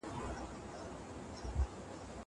دا پاکوالي له هغه منظمه ده.